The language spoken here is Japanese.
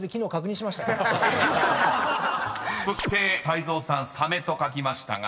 ［そして泰造さん「サメ」と書きましたが］